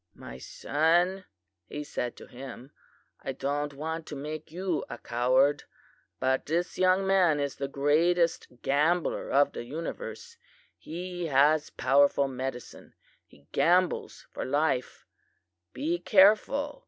"'My son,' he said to him, 'I don't want to make you a coward, but this young man is the greatest gambler of the universe. He has powerful medicine. He gambles for life; be careful!